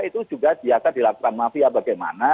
itu juga biasa dilakukan mafia bagaimana